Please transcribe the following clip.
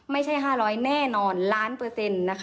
ไม่ใช่ค่ะหรอยแน่นอนล้านเปอร์เซ็นต์